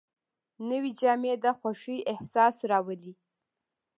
نوې جامې د خوښۍ احساس راولي